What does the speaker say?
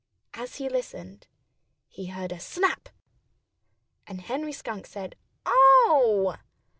As he listened, he heard a snap! And Henry Skunk said "Oh!"